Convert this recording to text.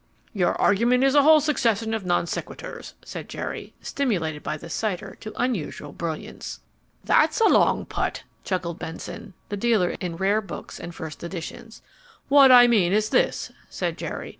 "Your argument is a whole succession of non sequiturs," said Jerry, stimulated by the cider to unusual brilliance. "That's a long putt," chuckled Benson, the dealer in rare books and first editions. "What I mean is this," said Jerry.